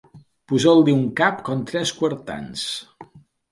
Posar-li un cap com tres quartans.